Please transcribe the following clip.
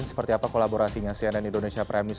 seperti apa kolaborasinya cnn indonesia prime news